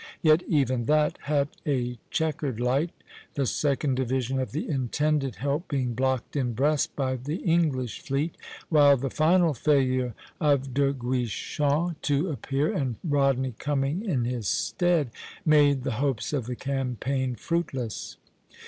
Yet even that had a checkered light, the second division of the intended help being blocked in Brest by the English fleet; while the final failure of De Guichen to appear, and Rodney coming in his stead, made the hopes of the campaign fruitless.